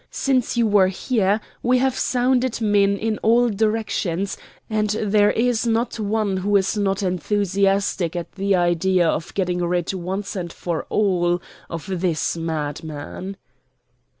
Since you were here we have sounded men in all directions, and there is not one who is not enthusiastic at the idea of getting rid once and for all of this madman."